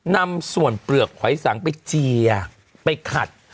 นำส่วนเปลือกหอยสังไปเจียไปขัด